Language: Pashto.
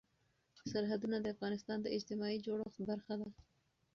سرحدونه د افغانستان د اجتماعي جوړښت برخه ده.